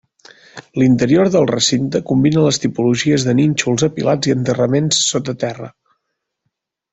L'interior del recinte combina les tipologies de nínxols apilats i enterraments sota terra.